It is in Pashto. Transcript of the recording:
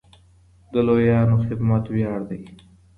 د لويانو خدمت وياړ دی.